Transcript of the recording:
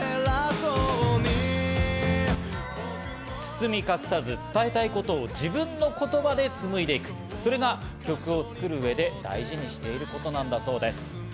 包み隠さず、伝えたいことを自分の言葉で紡いでゆく、それが曲を作る上で大事にしていることなんだそうです。